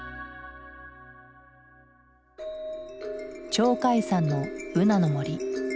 鳥海山のブナの森。